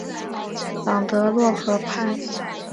朗德洛河畔蒙泰涅人口变化图示